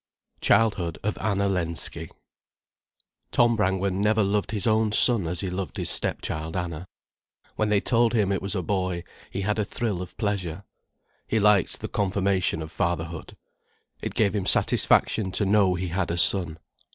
CHILDHOOD OF ANNA LENSKY Tom Brangwen never loved his own son as he loved his stepchild Anna. When they told him it was a boy, he had a thrill of pleasure. He liked the confirmation of fatherhood. It gave him satisfaction to know he had a son.